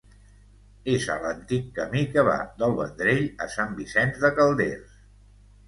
És a l'antic camí que va del Vendrell a Sant Vicenç de Calders.